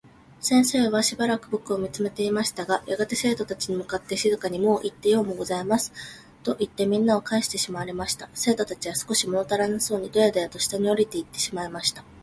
先生は暫く僕を見つめていましたが、やがて生徒達に向って静かに「もういってもようございます。」といって、みんなをかえしてしまわれました。生徒達は少し物足らなそうにどやどやと下に降りていってしまいました。